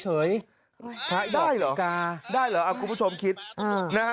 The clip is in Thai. หยอกกาหยอกกาได้เหรอคุณผู้ชมคิดนะฮะ